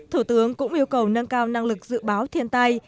thủ tướng cũng yêu cầu nâng cao năng lực dự báo thiên tai